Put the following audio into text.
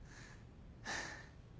ハァ。